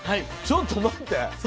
ちょっと待って。